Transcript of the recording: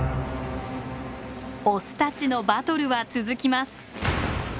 オスたちのバトルは続きます。